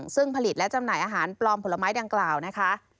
ซึ่งผลิตและจำหน่ายอาหารปลอมผลไม้ดังกล่าวนะคะ